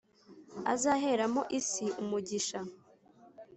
azaheramo isi umugisha